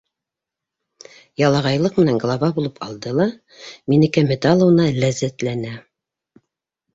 Ялағайлыҡ менән глава булып алды ла, мине кәмһетә алыуына ләззәтләнә.